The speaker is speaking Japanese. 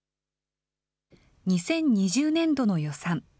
２０２０年度の予算。